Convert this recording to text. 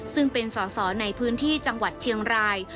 ซึ่งเป็นสอสอในพื้นที่จังหวัดเชียงราย